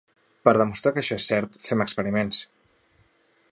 Per demostrar que això és cert, fem experiments.